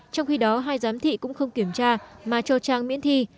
trong khi đó hai giám thị cũng không kiểm tra mà cho trang miễn thi